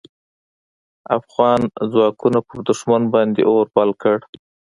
افغان ځواکونو پر دوښمن باندې اور بل کړ.